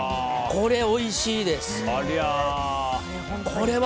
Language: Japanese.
これ、おいしいです。